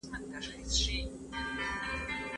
لینک ته ورسئ.